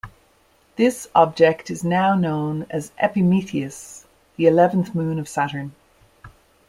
This object is now known as Epimetheus, the eleventh moon of Saturn.